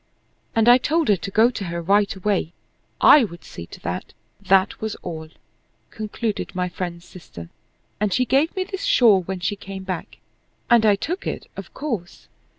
"And I told her to go to her right away, I would see to that; that was all," concluded my friend's sister; "and she gave me this shawl when she came back, and I took it, of course.